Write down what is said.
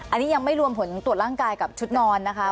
อันนี้ยังไม่รวมผลตรวจร่างกายกับชุดนอนนะคะ